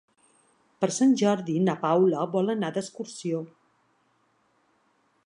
Per Sant Jordi na Paula vol anar d'excursió.